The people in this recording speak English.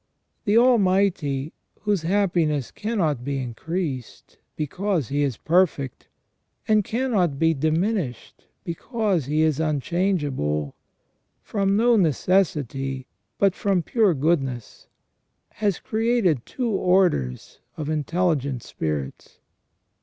The Almighty, whose happiness cannot be increased, because He is perfect, and cannot be diminished, because He is un changeable, from no necessity, but from pure goodness, has created two orders of intelligent spirits.